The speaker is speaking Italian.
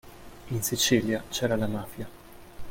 In Sicilia c'era la Mafia.